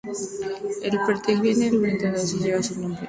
El Portaaviones Almirante Kuznetsov lleva su nombre.